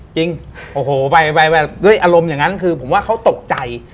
จริงโอ้โหไปด้วยอารมณ์อย่างนั้นคือผมว่าเขาตกใจ